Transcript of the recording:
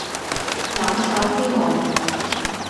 攬抄之母